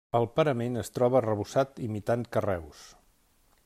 El parament es troba arrebossat imitant carreus.